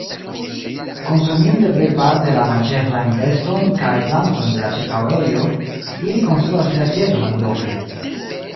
Konsuminte plejparte la manĝeblajn bestojn kaj plantojn de la ĉirkaŭejo, ili konstruas vilaĝeton aliloke.